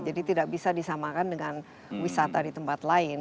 jadi tidak bisa disamakan dengan wisata di tempat lain